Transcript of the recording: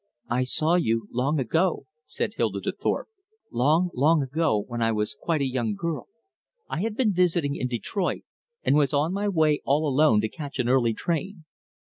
"I saw you long ago," said Hilda to Thorpe. "Long, long ago, when I was quite a young girl. I had been visiting in Detroit, and was on my way all alone to catch an early train.